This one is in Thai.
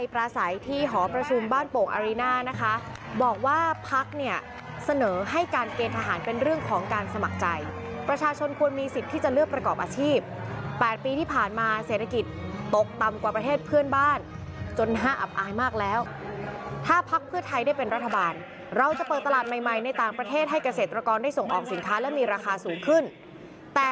ประสัยที่หอประชุมบ้านโป่งอารีน่านะคะบอกว่าพักเนี่ยเสนอให้การเกณฑ์ทหารเป็นเรื่องของการสมัครใจประชาชนควรมีสิทธิ์ที่จะเลือกประกอบอาชีพ๘ปีที่ผ่านมาเศรษฐกิจตกต่ำกว่าประเทศเพื่อนบ้านจนห้าอับอายมากแล้วถ้าพักเพื่อไทยได้เป็นรัฐบาลเราจะเปิดตลาดใหม่ใหม่ในต่างประเทศให้เกษตรกรได้ส่งออกสินค้าและมีราคาสูงขึ้นแต่